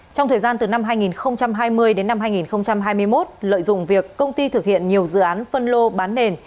trong thời gian từ năm hai nghìn hai mươi đến năm hai nghìn hai mươi một lợi dụng việc công ty thực hiện nhiều dự án phân lô bán nền